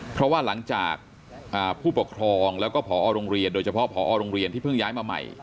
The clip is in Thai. เพราะว่าหลังจากผู้ปกครองแล้วก็พอโรงเรียนโดยเฉพาะพอโรงเรียนที่เพิ่งย้ายมาใหม่